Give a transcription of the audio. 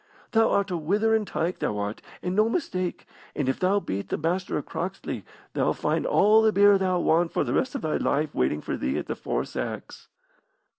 Thou art a witherin' tyke, thou art, and no mistake; and if thou beat the Master of Croxley, thou'll find all the beer thou want for the rest of thy life waiting for thee at the 'Four Sacks.'"